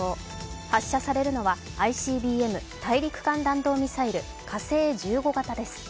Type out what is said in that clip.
発射されるのはＩＣＢＭ＝大陸間弾道ミサイル火星１５型です。